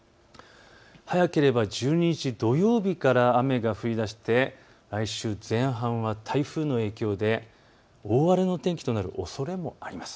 早ければ１２日土曜日から雨が降りだして来週前半は台風の影響で大荒れの天気となるおそれもあります。